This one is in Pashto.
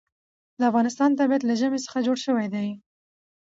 د افغانستان طبیعت له ژمی څخه جوړ شوی دی.